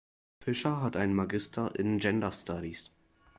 Fisher hat einen Magister in Gender Studies.